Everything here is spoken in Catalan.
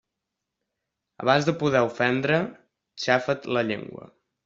Abans de poder ofendre, xafa't la llengua.